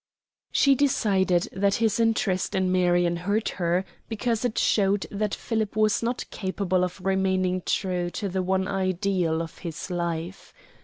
She decided that his interest in Marion hurt her, because it showed that Philip was not capable of remaining true to the one ideal of his life.